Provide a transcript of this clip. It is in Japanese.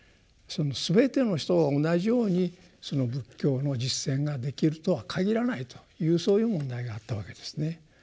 すべての人が同じようにその仏教の実践ができるとは限らないというそういう問題があったわけですね。